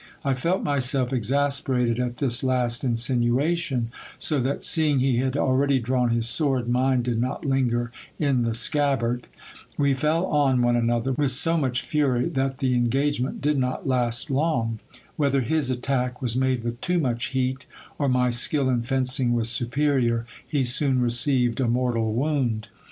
I felt myself exasperated at this last in sinuation, so that, seeing he had already drawn his sword, mine did not linger in the scabbard. We fell on one another with so much fury, that the engage ment did not last long. Whether his attack was made with too much heat, or my skill in fencing was superior, he soon received a mortal wound.